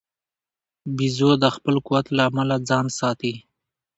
بیزو د خپل قوت له امله ځان ساتي.